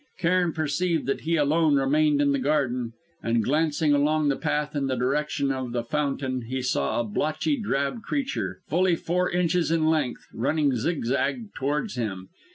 Cairn perceived that he alone remained in the garden, and glancing along the path in the direction of the fountain, he saw a blotchy drab creature, fully four inches in length, running zigzag towards him.